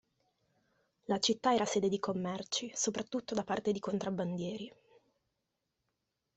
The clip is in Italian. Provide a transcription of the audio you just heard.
La città era sede di commerci, soprattutto da parte di contrabbandieri.